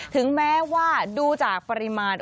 ถึงแม้ว่าดูจากปริมาณ